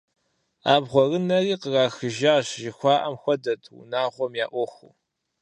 «Абгъуэрынэри кърахыжащ» жыхуаӀэм хуэдэт унагъуэм я Ӏуэхур.